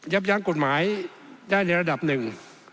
ยั้งกฎหมายได้ในระดับหนึ่ง